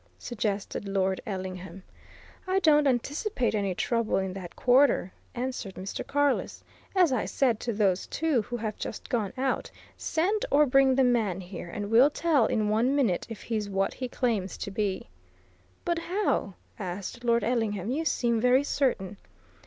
suggested Lord Ellingham. "I don't anticipate any trouble in that quarter," answered Mr. Carless. "As I said to those two who have just gone out send or bring the man here, and we'll tell in one minute if he's what he claims to be!" "But how?" asked Lord Ellingham. "You seem very certain."